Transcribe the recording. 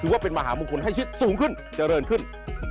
ว่าเป็นมหามงคลให้ชิดสูงขึ้นเจริญขึ้น